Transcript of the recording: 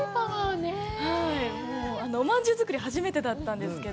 あのおまんじゅう作り、初めてだったんですけど。